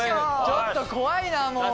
ちょっと怖いなもう。